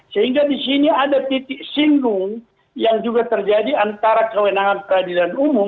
sehingga di sini ada titik singgung yang juga terjadi antara kewenangan peradilan umum